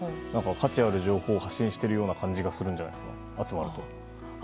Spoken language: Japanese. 価値ある情報を発信している感じがするんじゃないんですか集まると。